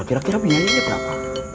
kira kira biayanya berapa